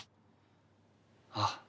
ああ。